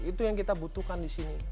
itu yang kita butuhkan di sini